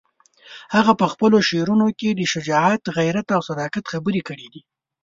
هغه په خپلو شعرونو کې د شجاعت، غیرت او صداقت خبرې کړې دي.